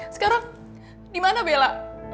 sekarang dimana bella